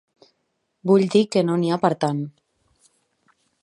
Vull dir que no n'hi ha per a tant.